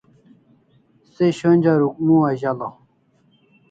Se shonja Rukmu azalaw